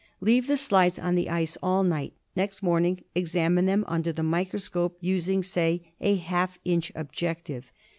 Leave the slides on the ice all night. Next morning examine them under the microscope, using, say, a half inch objective.